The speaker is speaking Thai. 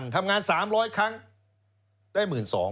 ทำงาน๓๐๐ครั้งได้๑๒๐๐